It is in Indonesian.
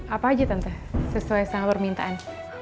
apa aja tante sesuai sama permintaan